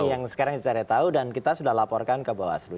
ini yang sekarang kita cari tahu dan kita sudah laporkan ke bawaslu